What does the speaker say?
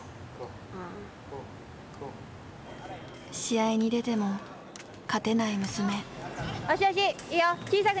試合に出ても勝てない娘。